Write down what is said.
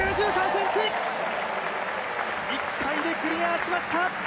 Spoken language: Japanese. １回でクリアしました！